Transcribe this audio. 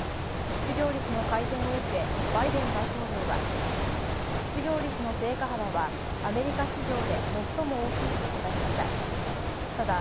失業率の改善を受け、バイデン大統領は「失業率の低下幅は、アメリカ市場で最も大きい」と訴えました。